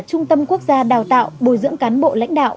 trung tâm quốc gia đào tạo bồi dưỡng cán bộ lãnh đạo